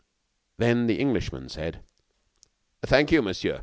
Then the Englishman said: "Thank you, monsieur."